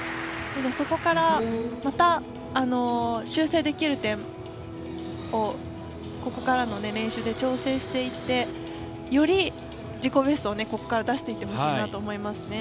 そこから、また修正できる点をここからの練習で調整していってより自己ベストをここから出していってほしいなと思います。